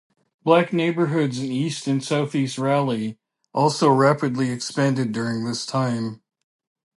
Black neighborhoods in east and southeast Raleigh also rapidly expanded during this time.